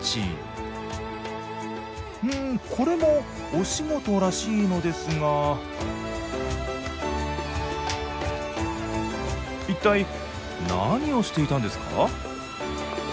うんこれもお仕事らしいのですが一体何をしていたんですか？